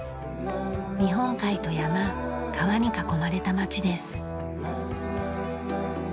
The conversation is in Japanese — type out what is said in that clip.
日本海と山川に囲まれた町です。